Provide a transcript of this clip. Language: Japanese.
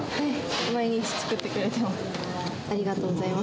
毎日作ってくれています。